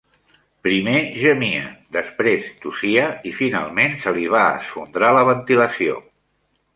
Primer gemia, després tossia i finalment se li va esfondrar la ventilació.